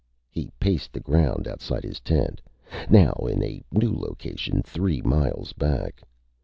He paced the ground outside his tent, now in a new location three miles back.